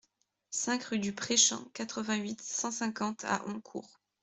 cinq rue du Prèchamp, quatre-vingt-huit, cent cinquante à Oncourt